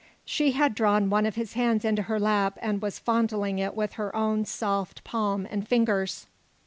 She had drawn one of his hands into her lap and was fondling it with her own soft palm and fingers.